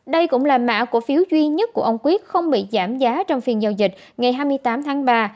đây cũng là mã cổ phiếu duy nhất của ông quyết không bị giảm giá trong phiên giao dịch ngày hai mươi tám tháng ba